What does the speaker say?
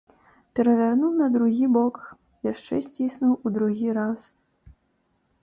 Перавярнуў на другі бок, яшчэ сціснуў у другі раз.